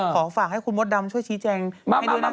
ขอฝากให้คุณมดดำช่วยชี้แจงให้ด้วยนะคะ